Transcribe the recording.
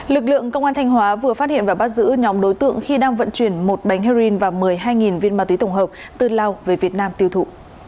lực lượng công an thanh hóa vừa phát hiện và bắt giữ nhóm đối tượng khi đang vận chuyển một bánh heroin và một mươi hai viên ma túy tổng hợp từ lào về việt nam tiêu thụ